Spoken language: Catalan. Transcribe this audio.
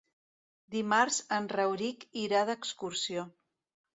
Dimarts en Rauric irà d'excursió.